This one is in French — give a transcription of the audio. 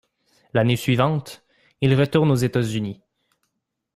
L’année suivante, il retourne aux États-Unis.